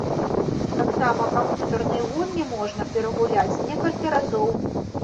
Таксама камп'ютарныя гульні можна перагуляць некалькі разоў.